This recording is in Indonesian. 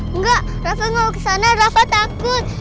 enggak rafa mau kesana rafa takut